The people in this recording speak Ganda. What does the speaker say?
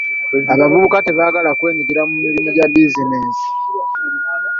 Abavubuka tebaagala kwenyigira mu mirimu gya bizinensi.